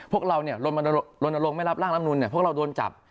พวกเราเนี่ยลนลงไม่รับร่างอำนุนเนี่ยพวกเราโดนจับ